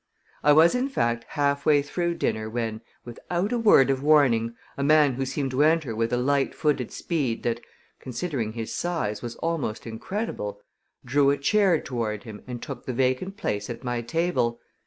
I was, in fact, halfway through dinner when, without a word of warning, a man who seemed to enter with a lightfooted speed that, considering his size, was almost incredible, drew a chair toward him and took the vacant place at my table.